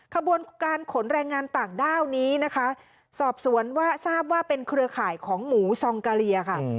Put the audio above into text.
ขบวนการขนแรงงานต่างด้าวนี้นะคะสอบสวนว่าทราบว่าเป็นเครือข่ายของหมูซองกาเลียค่ะ